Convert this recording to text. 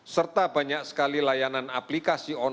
serta banyak sekali layanan aplikasi online